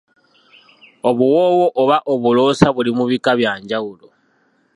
Obuwoowo oba obuloosa buli mu bika byanjawulo.